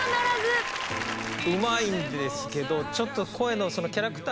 うまいんですけどちょっと。